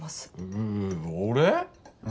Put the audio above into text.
ええっ俺！？